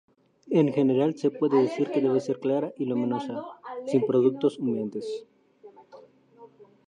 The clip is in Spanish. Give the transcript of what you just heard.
En general se puede decir que debe ser clara y luminosa, sin productos humeantes.